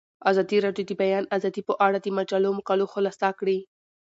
ازادي راډیو د د بیان آزادي په اړه د مجلو مقالو خلاصه کړې.